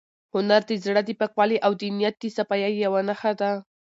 هنر د زړه د پاکوالي او د نیت د صفایۍ یوه نښه ده.